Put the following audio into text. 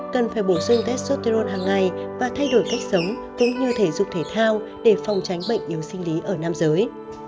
cần phải bổ sung testosterone hằng ngày và thay đổi cách sống cũng như thể dục thể thao để phòng tránh bệnh yếu sinh lý ở nam giới